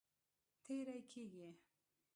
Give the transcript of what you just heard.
تېری کیږي.